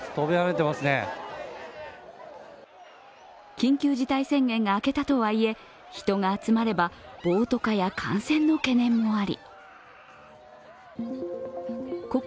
緊急事態宣言が明けたとはいえ人が集まれば暴徒化や感染の懸念もありここ